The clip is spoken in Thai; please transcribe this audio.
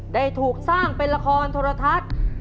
ได้ถูกสร้างเป็นละครโทรทัศน์